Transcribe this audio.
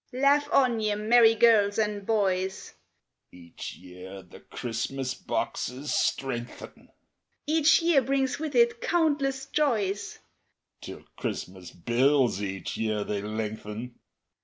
_) Laugh on, ye merry girls and boys! (Each year the Christmas boxes strengthen,) Each year brings with it countless joys; (_The Christmas bills each year they lengthen.